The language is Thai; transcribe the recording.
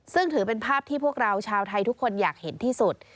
ซึ่งถือเป็นภาพที่พวกเราชาวไทยทุกคนอยากเห็นที่สุด